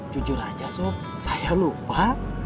jujur aja sok saya lupa